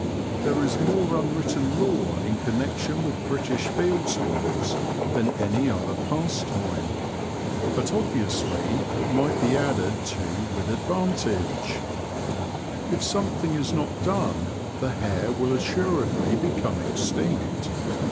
There is more unwritten law in con nection with British field sports than any other 72 The Confessions of a Poacher. pastime ; but obviously it might be added to with advantage. If something is not done the hare will assuredly become extinct.